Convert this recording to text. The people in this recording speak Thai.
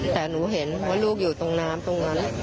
แต่หนูเห็นว่าลูกอยู่ตรงน้ำ